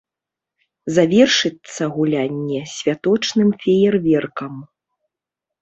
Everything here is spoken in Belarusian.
Завершыцца гулянне святочным феерверкам.